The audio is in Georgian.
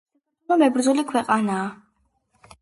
საქართველო მებრძოლი ქვეყანაა